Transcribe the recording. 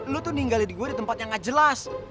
lo tuh ninggalin gue di tempat yang gak jelas